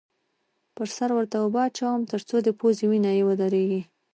پر سر ورته اوبه اچوم؛ تر څو د پوزې وینه یې ودرېږې.